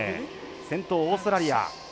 先頭、オーストラリア。